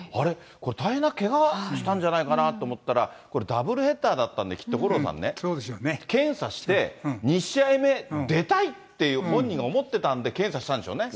これ大変なけがしたんじゃないかなと思ったら、これ、ダブルヘッダーだったんで、きっと五郎さんね、検査して、２試合目、出たいって本人が思ってたんで、検査したんでしょうね。